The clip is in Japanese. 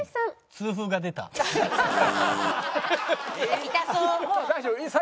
痛そう。